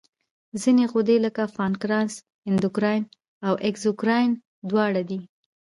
ځینې غدې لکه پانکراس اندوکراین او اګزوکراین دواړه دي.